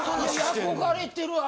憧れてる話。